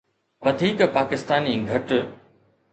وڌيڪ پاڪستاني گهٽ